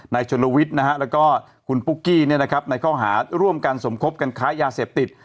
ชนลวิทย์แล้วก็คุณปุ๊กกี้ในข้อหาร่วมกันสมคบกันค้ายาเสพติด